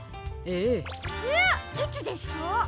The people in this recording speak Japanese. えっいつですか？